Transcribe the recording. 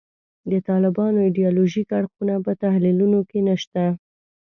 د طالبانو ایدیالوژیک اړخونه په تحلیلونو کې نشته.